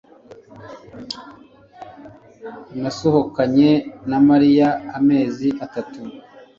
Nasohokanye na Mariya amezi atatu